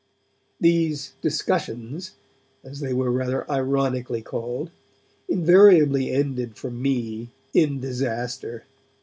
These 'discussions', as they were rather ironically called, invariably ended for me in disaster.